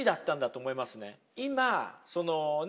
今そのね